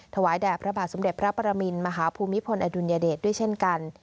ถวายแด่พระบาทสมเด็จพระปรมินมหาภูมิพลอดุลยเดชด้วยเช่นกัน